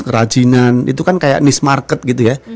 kerajinan itu kan kayak niche market gitu ya